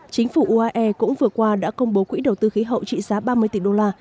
chính phủ uae cũng vừa qua đã công bố quỹ đầu tư khí hậu trị giá ba mươi tỷ đô la